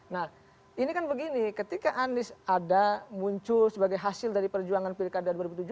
nah ini kan begini ketika anies ada muncul sebagai hasil dari perjuangan pilkada dua ribu tujuh belas